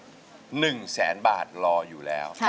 เพลงที่๗หนึ่งแสนบาทรออยู่แล้ว